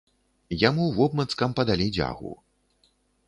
Яму вобмацкам падалі дзягу.